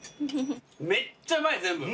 めっちゃうまい全部。